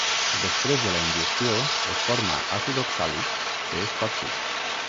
Després de la ingestió es forma àcid oxàlic que és tòxic.